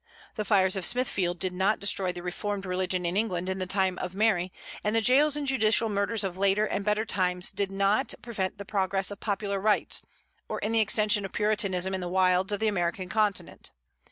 The fires of Smithfield did not destroy the reformed religion in England in the time of Mary, and the jails and judicial murders of later and better times did not prevent the progress of popular rights, or the extension of Puritanism in the wilds of the American continent.